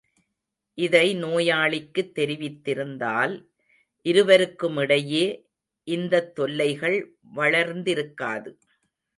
இதை நோயாளிக்குத் தெரிவித்திருந்தால், இருவருக்குமிடையே— இந்தத் தொல்லைகள் வளர்ந்திருக்காது.